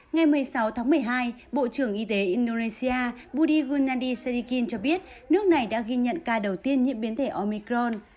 ngày một mươi sáu tháng một mươi hai bộ trưởng y tế indonesia buddigunandy sadikin cho biết nước này đã ghi nhận ca đầu tiên nhiễm biến thể omicron